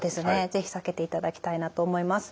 是非避けていただきたいなと思います。